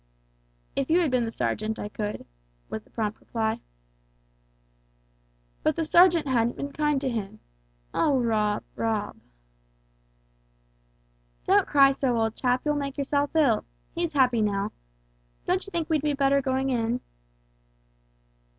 "If you had been the sergeant, I could," was the prompt reply. "But the sergeant hadn't been kind to him. Oh, Rob, Rob." "Don't cry so, old chap, you'll make yourself ill. He's happy now. Don't you think we'd better be going in?"